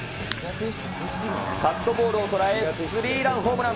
カットボールを捉え３ランホームラン。